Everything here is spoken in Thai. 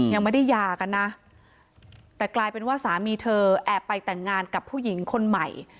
ยังไม่ได้หย่ากันนะแต่กลายเป็นว่าสามีเธอแอบไปแต่งงานกับผู้หญิงคนใหม่